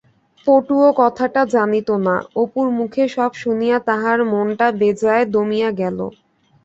পটুও কথাটা জানিত না, অপুর মুখে সব শুনিয়া তাহার মনটা বেজায় দমিয়া গেল।